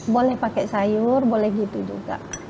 boleh pakai sayur boleh gitu juga